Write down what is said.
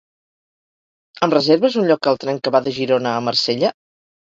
Em reserves un lloc al tren que va de Girona a Marsella?